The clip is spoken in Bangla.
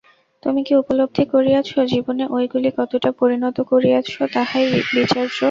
তুমি কী উপলব্ধি করিয়াছ, জীবনে ঐগুলি কতটা পরিণত করিয়াছ, তাহাই বিচার্য।